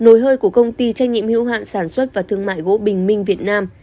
nồi hơi của công ty trách nhiệm hữu hạn sản xuất và thương mại gỗ bình minh việt nam